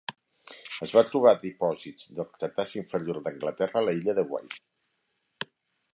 Es va trobar a dipòsits del Cretaci inferior d'Anglaterra, a l'illa de Wight.